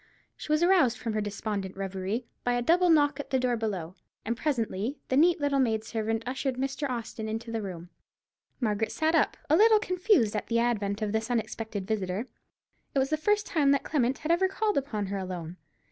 She was aroused from her despondent reverie by a double knock at the door below, and presently the neat little maid servant ushered Mr. Austin into the room. Margaret started up, a little confused at the advent of this unexpected visitor. It was the first time that Clement had ever called upon her alone.